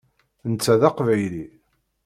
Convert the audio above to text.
Netta d aqbayli.